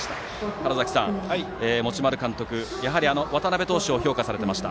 川原崎さん、持丸監督はやはり渡邉投手を評価されていました。